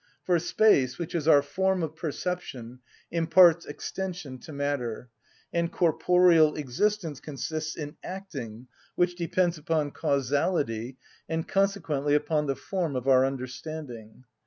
For space, which is our form of perception, imparts extension to matter, and corporeal existence consists in acting, which depends upon causality, and consequently upon the form of our understanding.